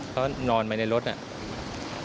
เขานอนไปในรถน่ะ